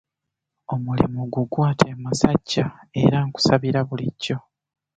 Omulimu gugwate masajja, era nkusabira bulijjo.